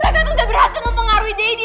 mereka tuh udah berhasil mempengaruhi daddy